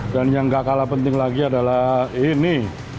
dan yang nggak kalah penting lagi adalah ini